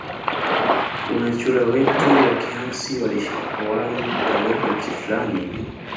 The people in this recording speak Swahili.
Kuna chura wetu wa kihansi walishawahi pelekwa nchi flani flani hivi